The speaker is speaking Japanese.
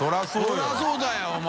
そりゃあそうだよお前。